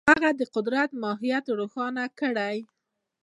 هغه د قدرت ماهیت روښانه کړ.